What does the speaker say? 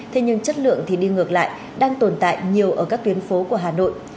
thế nhưng chất lượng thì đi ngược lại đang tồn tại nhiều ở các tuyến phố của hà nội